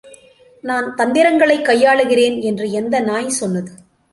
நான் தந்திரங்களைக் கையாளுகிறேன் என்று எந்த நாய் சொன்னது?